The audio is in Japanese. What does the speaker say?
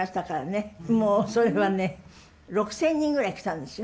もうそれはね６，０００人ぐらい来たんですよ。